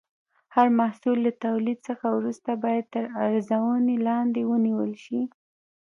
هر محصول له تولید څخه وروسته باید تر ارزونې لاندې ونیول شي.